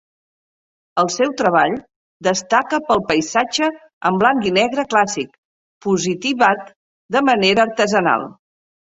El seu treball destaca pel paisatge en blanc i negre clàssic, positivat de manera artesanal.